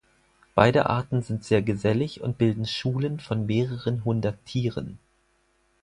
Beide Arten sind sehr gesellig und bilden Schulen von mehreren hundert Tieren.